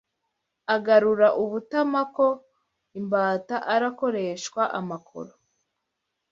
Agarura u Butama ko imbata Arakoreshwa amakoro